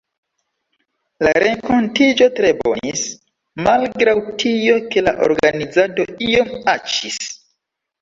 La renkontiĝo tre bonis, malgraŭ tio ke la organizado iom aĉis.